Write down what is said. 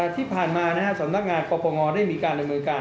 ที่ผ่านมาสำนักงานปปงได้มีการดำเนินการ